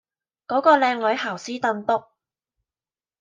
嗰個靚女姣斯凳督